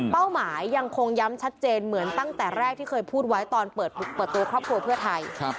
หมายยังคงย้ำชัดเจนเหมือนตั้งแต่แรกที่เคยพูดไว้ตอนเปิดตัวครอบครัวเพื่อไทย